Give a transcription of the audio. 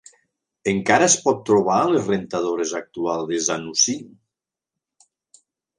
Encara es pot trobar a les rentadores actuals de Zanussi.